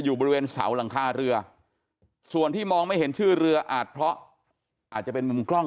อยู่บริเวณเสาหลังคาเรือส่วนที่มองไม่เห็นชื่อเรืออาจเพราะอาจจะเป็นมุมกล้อง